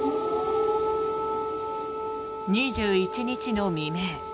２１日の未明